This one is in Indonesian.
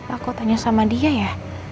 aku tanya sama dia ya